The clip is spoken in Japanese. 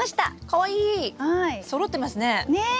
かわいい！そろってますね！ね！